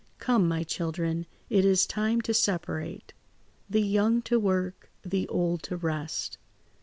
"Come, my children, it is time to separate. The young to work, the old to rest.